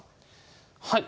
はい。